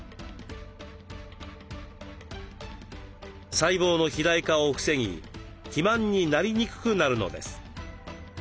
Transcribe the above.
細胞の肥大化を防ぎ肥満になりにくくなるのです。